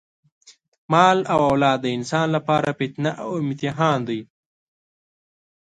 مال او اولاد د انسان لپاره فتنه او امتحان دی.